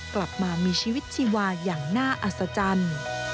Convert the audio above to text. กลับมามีชีวิตชีวาอย่างน่าอัศจรรย์